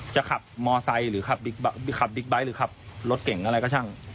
จะขับมอไซค์หรือขับบิ๊กไบท์หรือขับรถเก่งอะไรก็ช่าง